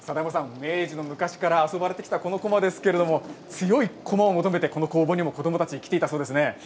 明治の昔から遊ばれてきたこの、こまですけども強いこまを求めてこの工房にも子どもたち来ていたそうですね。